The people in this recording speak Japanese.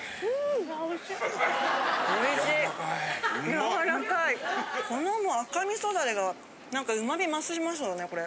・軟らかい・この赤味噌ダレが何かうま味増しますよねこれ。